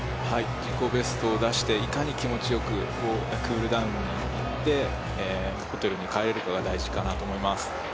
自己ベストを出していかに気持ちよくクールダウンしてホテルに帰れるかが大事かなと思います。